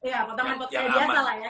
ya potongan potongan ya biasa lah ya